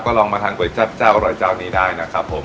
ลองมาทานก๋วยจับเจ้าอร่อยเจ้านี้ได้นะครับผม